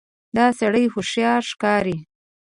دا سړی هوښیار ښکاري.